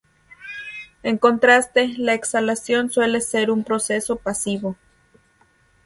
En contraste, la exhalación suele ser un proceso pasivo.